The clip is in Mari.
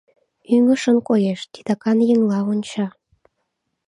Ӱҥышын коеш, титакан еҥла онча...